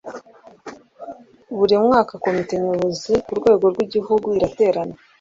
buri mwaka komite nyobozi ku rwego rw'igihugu iraterana